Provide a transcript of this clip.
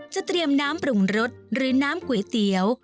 เตรียมน้ำปรุงรสหรือน้ำก๋วยเตี๋ยว